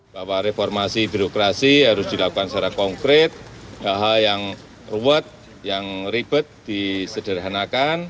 bahwa reformasi birokrasi harus dilakukan secara konkret hal hal yang ruwet yang ribet disederhanakan